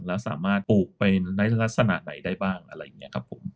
แล้วสามารถปลูกไปในลักษณะไหนได้บ้างอะไรอย่างนี้ครับผม